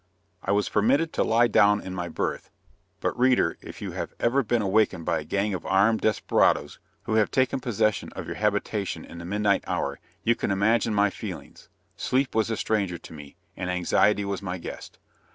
I was permitted to lie down in my berth; but, reader, if you have ever been awakened by a gang of armed, desperadoes, who have taken possession of your habitation in the midnight hour, you can imagine my feelings. Sleep was a stranger to me, and anxiety was my guest.